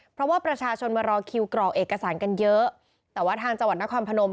เพราะว่าประชาชนมารอคิวกรอกเอกสารกันเยอะแต่ว่าทางจังหวัดนครพนม